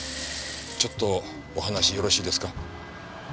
ちょっとお話よろしいですか？